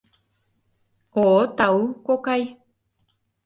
— О, тау, кокай.